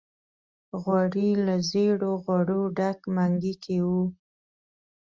غوړي له زېړو غوړو ډک منګي کې وو.